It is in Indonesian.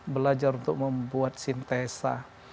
belajar untuk membuat sintesa